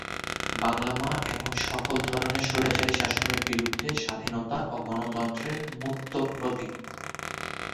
বাংলা মা এখন সকল ধরনের স্বৈরাচারী শাসনের বিরুদ্ধে স্বাধীনতা ও গণতন্ত্রের মূর্ত প্রতীক।